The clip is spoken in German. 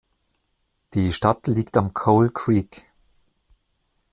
Die Stadt liegt am Coal Creek.